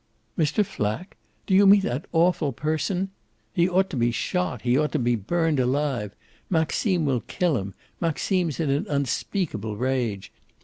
"Mr. Flack? do you mean that awful person ? He ought to be shot, he ought to be burnt alive. Maxime will kill him, Maxime's in an unspeakable rage.